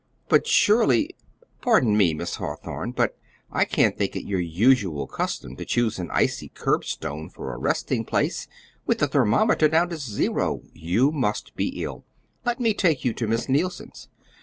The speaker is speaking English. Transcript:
"But, surely pardon me, Miss Hawthorn, but I can't think it your usual custom to choose an icy curbstone for a resting place, with the thermometer down to zero. You must be ill. Let me take you to Miss Neilson's."